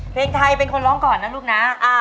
เพลงไทยเป็นคนร้องก่อนนะลูกนะ